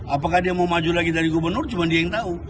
apakah dia mau maju lagi dari gubernur cuma dia yang tahu